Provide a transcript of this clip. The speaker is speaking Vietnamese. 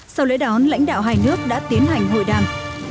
sau lễ đón lãnh đạo hai nước đã tiến hành hội đàm